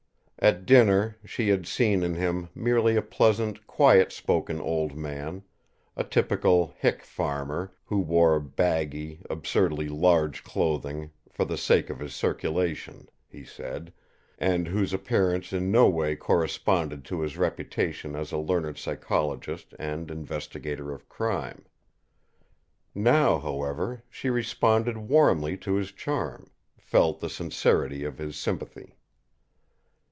At dinner, she had seen in him merely a pleasant, quiet spoken old man, a typical "hick" farmer, who wore baggy, absurdly large clothing "for the sake of his circulation," he said and whose appearance in no way corresponded to his reputation as a learned psychologist and investigator of crime. Now, however, she responded warmly to his charm, felt the sincerity of his sympathy.